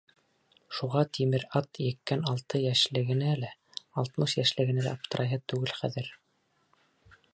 Шуға «тимер ат» еккән алты йәшлегенә лә, алтмыш йәшлегенә лә аптырайһы түгел хәҙер.